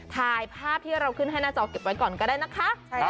ถ่ายภาพที่เราขึ้นให้หน้าจอเก็บไว้ก่อนก็ได้นะคะ